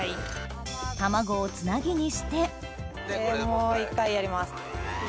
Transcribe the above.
卵をつなぎにしてもう一回やります。